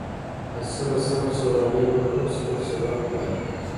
عاصم سم شه وراني من كوه خپل سبق وايا.